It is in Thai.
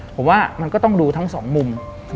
ผมว่ามันก็ต้องดูทั้งสองมุม